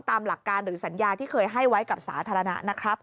ตามหลักการหรือสัญญาที่เคยให้ไว้กับสาธารณะนะครับ